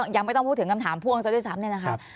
ยังไม่ต้องพูดถึงคำถามผู้อังสือด้วยซ้ำเลยนะครับ